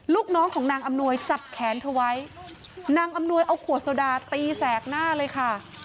ลูกน้องของนางอำนวยจับแขนเธอไว้นางอำนวยเอาขวดโซดาตีแสกหน้าเลยค่ะ